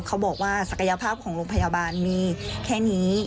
บอกว่าศักยภาพของโรงพยาบาลมีแค่นี้